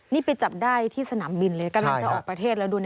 นี่ไปจับได้ที่สนามบินเลยกำลังจะออกประเทศแล้วดูนะ